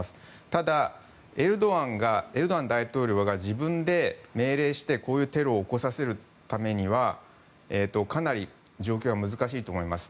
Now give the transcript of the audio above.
ただ、エルドアン大統領が自分で命令してこういうテロを起こさせるためにはかなり状況が難しいと思います。